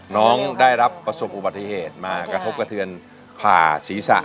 น้องได้รับประสบอุบัติเหตุมากระทบกระเทือนผ่าศีรษะ